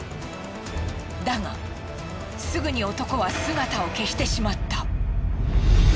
だがすぐに男は姿を消してしまった。